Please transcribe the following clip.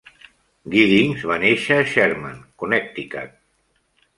Giddings va néixer a Sherman, Connecticut.